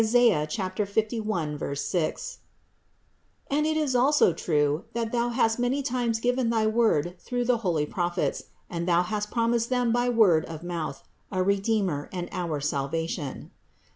51, 6), THE INCARNATION 55 and it is also true, that Thou hast many times given thy word through the holy Prophets; and Thou hast prom ised them by word of mouth, a Redeemer and our salva tion.